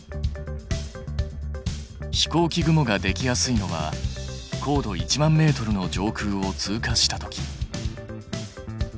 飛行機雲ができやすいのは高度１万ｍの上空を通過した時。